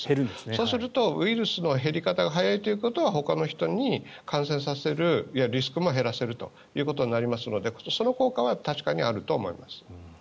そうすると、ウイルスの減り方が速いということはほかの人に感染させるリスクも減らすということになりますのでその効果は確かにあると思います。